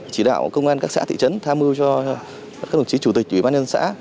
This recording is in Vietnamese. chỉ đạo công an các xã thị trấn tham mưu cho các đồng chí chủ tịch ủy ban nhân xã